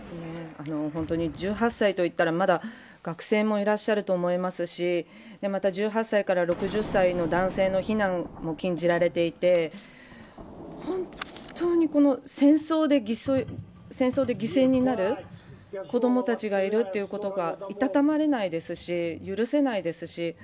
本当に１８歳といったらまだ学生もいらっしゃると思いますし１８歳から６０歳の男性の避難も禁じられていて本当に戦争で犠牲になる子どもたちがいるということがいたたまれないですし許せないですし